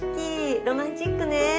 ロマンチックね。